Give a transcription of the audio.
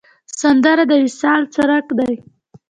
سندره د وصال څرک دی